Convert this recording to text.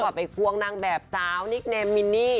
ไปควงนางแบบสาวนิกเนมมินนี่